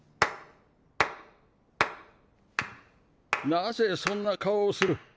なぜそんなかおをする？